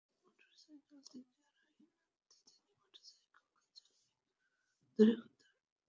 Motorcycle থেকে আরোহী নামতেই তিনি মোটরসাইকেল চালিয়ে দূরে কোথাও চলে যান।